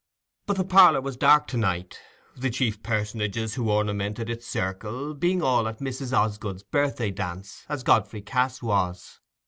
But the parlour was dark to night, the chief personages who ornamented its circle being all at Mrs. Osgood's birthday dance, as Godfrey Cass was.